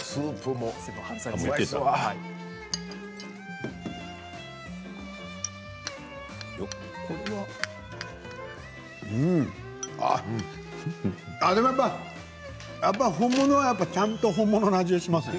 やっぱり本物は、ちゃんと本物の味がしますね。